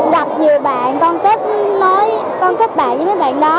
gặp nhiều bạn con thích bạn với mấy bạn đó